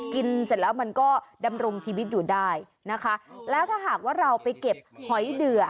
กินเสร็จแล้วมันก็ดำรงชีวิตอยู่ได้นะคะแล้วถ้าหากว่าเราไปเก็บหอยเดือ